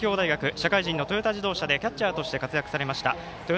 社会人のトヨタ自動車で監督として活躍されました。